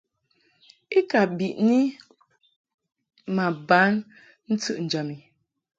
I ka biʼni ma ban ntɨʼnjam i.